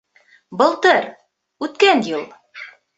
Былтыр, үткән йыл